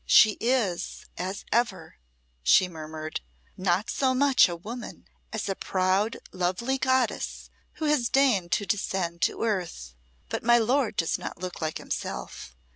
"She is, as ever," she murmured, "not so much a woman as a proud lovely goddess who has deigned to descend to earth. But my lord does not look like himself.